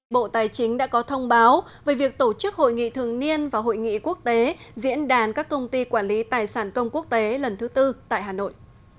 bộ tài chính đã có thông báo về việc tổ chức hội nghị thường niên và hội nghị quốc tế diễn đàn các công ty quản lý tài sản công quốc tế lần thứ tư tại hà nội